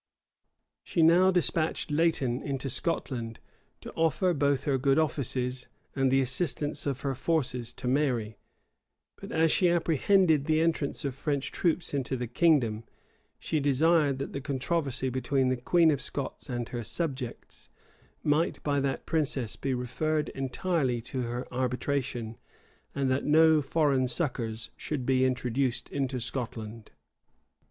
[]* Keith, p. 475. Keith, p. 463. Cabala, p. 141. Keith, p. 462. She now despatched Leighton into Scotland to offer both her good offices, and the assistance of her forces, to Mary; but as she apprehended the entrance of French troops into the kingdom, she desired that the controversy between the queen of Scots and her subjects might by that princess be referred entirely to her arbitration, and that no foreign succors should be introduced into Scotland.